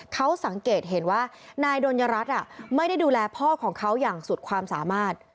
เขาสังเกตเห็นว่านายดนยรัฐไม่ได้ดูแลพ่อของเขาอย่างสุดความสามารถ